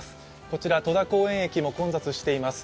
こちら戸田公園駅も混雑しています。